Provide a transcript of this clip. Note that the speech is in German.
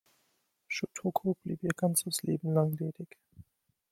Shōtoku blieb ihr ganzes Leben lang ledig.